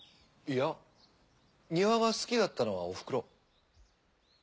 いや庭が好きだったのはおふくろ。